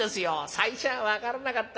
最初は分からなかった。